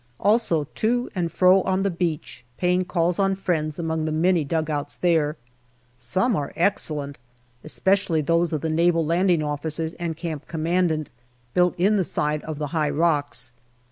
Also to and fro on the beach, paying calls on friends among the many dugouts there. Some are excellent, especially those of Naval L.O.'s and Camp Commandant, built in the side of the high rocks.